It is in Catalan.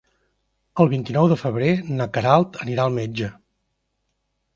El vint-i-nou de febrer na Queralt anirà al metge.